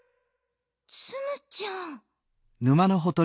ツムちゃん。